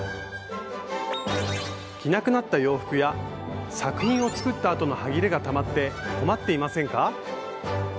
着なくなった洋服や作品を作ったあとのはぎれがたまって困っていませんか？